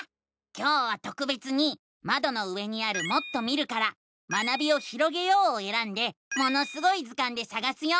今日はとくべつにまどの上にある「もっと見る」から「学びをひろげよう」をえらんで「ものすごい図鑑」でさがすよ。